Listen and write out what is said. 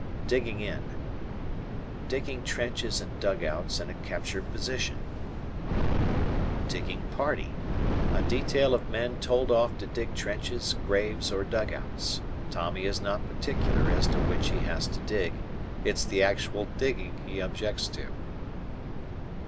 "Digging in." Digging trenches and dugouts in a captured position. Digging Party. A detail of men told off to dig trenches, graves, or dugouts. Tommy is not particular as to what he has to dig; it's the actual digging he objects to.